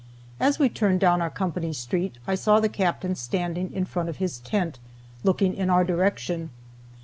As we turned down our company street I saw the Captain standing in front of his tent, looking in our direction.